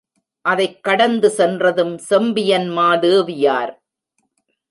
அதைக் கடந்து சென்றதும் செம்பியன்மாதேவியார்.